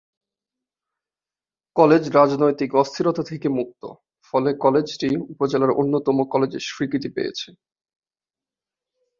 College রাজনৈতিক অস্থিরতা থেকে মুক্ত ফলে কলেজটি উপজেলার অন্যতম কলেজের স্বীকৃতি পেয়েছে।